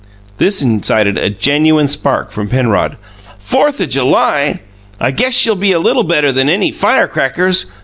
This incited a genuine spark from Penrod. "Fourth o' July! I guess she'll be a little better than any firecrackers!